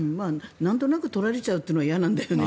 なんとなく取られちゃうというのは嫌なんだよね。